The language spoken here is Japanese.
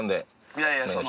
いやいやその。